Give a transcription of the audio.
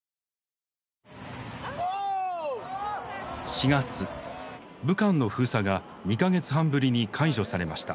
４月武漢の封鎖が２か月半ぶりに解除されました。